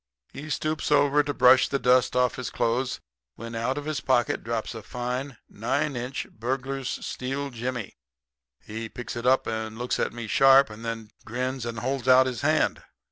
"He stoops over to brush the dust off his clothes, when out of his pocket drops a fine, nine inch burglar's steel jimmy. He picks it up and looks at me sharp, and then grins and holds out his hand.